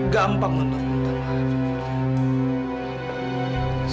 gampang menurutmu teman